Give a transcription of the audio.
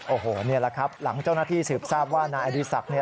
โอ้โหนี่แหละครับหลังเจ้าหน้าที่สืบทราบว่านายอดีศักดิ์